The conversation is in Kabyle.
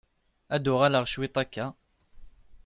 Ad d-uɣaleɣ cwit akka.